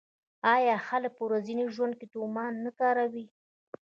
آیا خلک په ورځني ژوند کې تومان نه کاروي؟